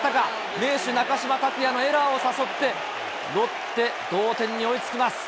名手、なかしまたくやのエラーを誘って、ロッテ、同点に追いつきます。